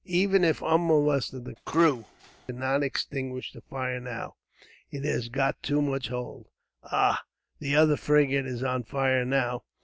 "Even if unmolested, the crew could not extinguish the fire, now. It has got too much hold. "Ah! The other frigate is on fire now."